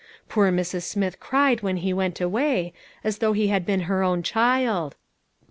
Poor Mrs. Smith cried when he went away, as though he bad been her own child.